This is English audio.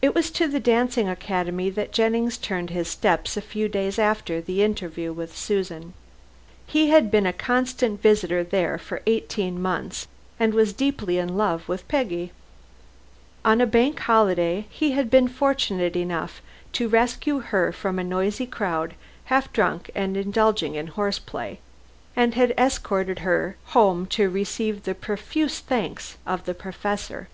It was to the Dancing Academy that Jennings turned his steps a few days after the interview with Susan. He had been a constant visitor there for eighteen months and was deeply in love with Peggy. On a Bank Holiday he had been fortunate enough to rescue her from a noisy crowd, half drunk and indulging in horse play, and had escorted her home to receive the profuse thanks of the Professor.